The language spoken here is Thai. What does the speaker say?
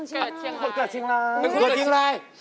เกิดเชียงราย